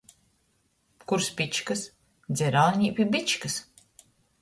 Kur spičkys – dzeraunē pi Bičkys.